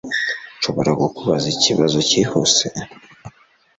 Nshobora kukubaza ikibazo cyihuse?